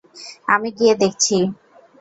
আমি গিয়ে দেখছি।